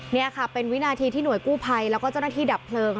นี่ค่ะเป็นวินาทีที่หน่วยกู้ภัยแล้วก็เจ้าหน้าที่ดับเพลิง